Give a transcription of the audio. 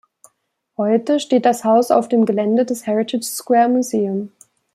Heute steht das Haus auf dem Gelände des Heritage Square Museum.